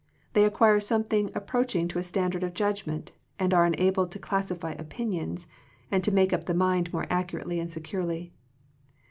They acquire some thing approaching to a standard of judg ment, and are enabled to classify opin ions, and to make up the mind more accurately and securely.